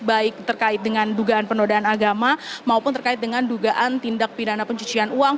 baik terkait dengan dugaan penodaan agama maupun terkait dengan dugaan tindak pidana pencucian uang